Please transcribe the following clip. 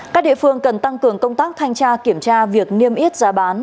các địa phương cần tăng cường công tác thanh tra kiểm tra việc niêm yết giá bán